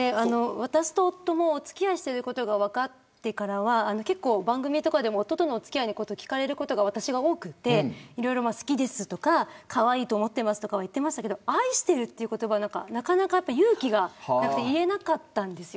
私と夫もお付き合いしていることが分かってからは番組とかでも夫とのお付き合いのことを聞かれることが私が多くていろいろ好きですとかかわいいと思ってますとか言っていましたけれど愛しているという言葉はなかなか勇気がなくて言えなかったんです。